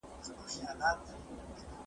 نو پر ده واجب ده، چي هغه مېلمستیا پريږدي.